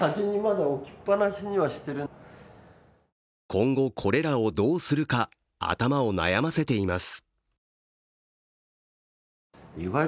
今後、これらをどうするか頭を悩ませています。